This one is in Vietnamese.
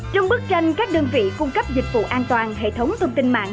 trong bức tranh các đơn vị cung cấp dịch vụ an toàn hệ thống thông tin mạng